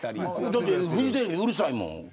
だってフジテレビうるさいもん。